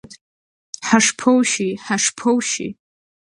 Ҳашԥоушьи, ҳашԥоушьи!